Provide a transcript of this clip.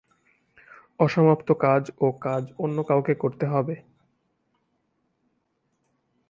অসমাপ্ত কাজ ও কাজ অন্য কাউকে করতে হবে।